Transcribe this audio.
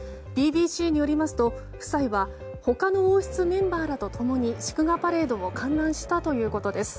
ＢＢＣによりますと、夫妻は他の王室メンバーらと共に祝賀パレードを観覧したということです。